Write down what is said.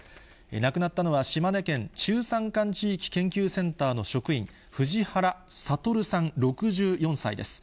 亡くなったのは、島根県中山間地域研究センターの職員、藤原悟さん６４歳です。